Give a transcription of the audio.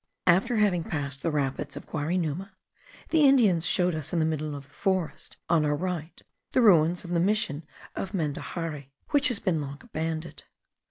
After having passed the rapids of Guarinuma, the Indians showed us in the middle of the forest, on our right, the ruins of the mission of Mendaxari, which has been long abandoned.